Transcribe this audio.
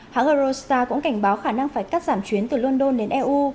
hãng eurostar cũng cảnh báo khả năng phải cắt giảm chuyến từ london đến eu